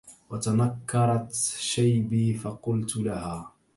وتنكرت شيبي فقلت لها